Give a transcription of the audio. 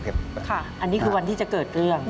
อันนี้คือวันที่จะเกิดเรื่อง